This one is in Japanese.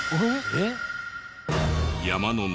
えっ！